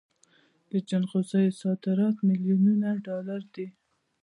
د جلغوزیو صادرات میلیونونه ډالر دي.